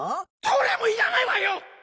どれもいらないわよ！